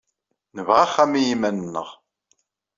Nebɣa axxam i yiman-nneɣ.